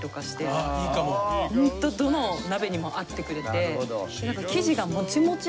ホントどの鍋にも合ってくれて。